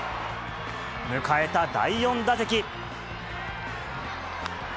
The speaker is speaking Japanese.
迎えた第４打席。